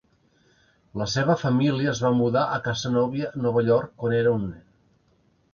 La seva família es va mudar a Cazenovia, Nova York, quan era un nen.